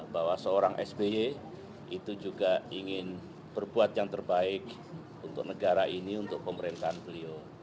bahwa seorang sby itu juga ingin berbuat yang terbaik untuk negara ini untuk pemerintahan beliau